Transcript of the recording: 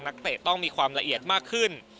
เตะต้องมีความละเอียดมากขึ้น